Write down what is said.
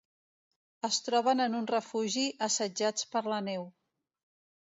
Es troben en un refugi assetjats per la neu.